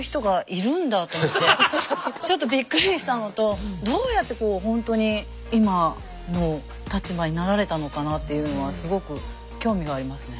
ちょっとびっくりしたのとどうやってほんとに今の立場になられたのかなっていうのはすごく興味がありますね。